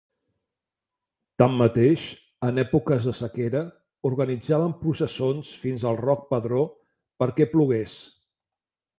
Tanmateix, en èpoques de sequera, organitzaven processons fins al Roc Pedró perquè plogués.